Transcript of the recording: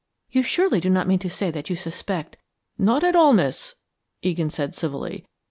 "You surely do not mean to say that you suspect " "Not at all, miss," Egan said, civilly.